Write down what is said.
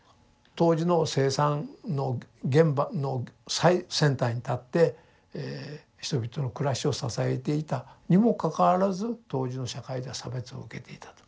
当時の生産の現場の最先端に立って人々の暮らしを支えていたにもかかわらず当時の社会では差別を受けていたと。